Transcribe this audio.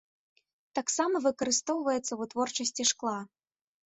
Таксама выкарыстоўваецца ў вытворчасці шкла.